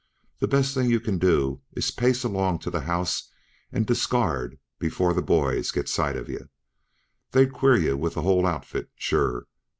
The best thing you can do is pace along to the house and discard before the boys get sight of yuh. They'd queer yuh with the whole outfit, sure.